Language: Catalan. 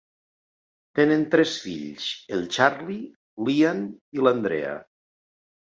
Tenen tres fills: el Charlie, l'Ian i la Andrea.